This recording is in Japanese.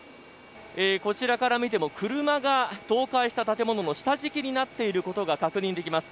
こちらから見ても車が倒壊した建物の下敷きになっていることが確認できます。